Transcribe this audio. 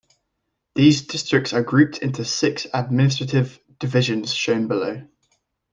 These districts are grouped into six administrative divisions shown below.